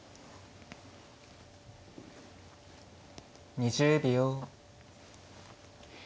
２０秒。